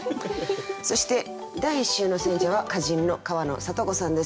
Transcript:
そして第１週の選者は歌人の川野里子さんです。